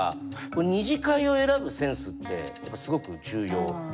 二次会を選ぶセンスってすごく重要。